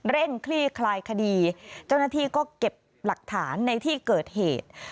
คลี่คลายคดีเจ้าหน้าที่ก็เก็บหลักฐานในที่เกิดเหตุ